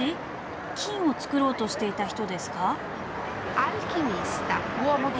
金を作ろうとしていた人ですか？